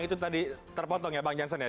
itu tadi terpotong ya bang jansen ya